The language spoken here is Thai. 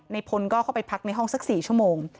พลก็เข้าไปพักในห้องสัก๔ชั่วโมง